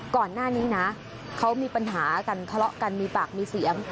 ก่อนหน้านี้นะเขามีปัญหากันทะเลาะกันมีปากมีเสียง